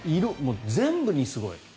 全部にすごい。